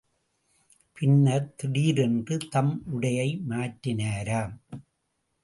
பின்னர், திடீரென்று தம் உடையை மாற்றினாராம்.